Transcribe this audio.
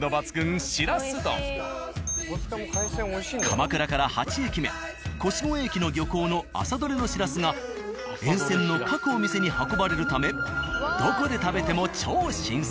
鎌倉から８駅目腰越駅の漁港の朝獲れのしらすが沿線の各お店に運ばれるためどこで食べても超新鮮。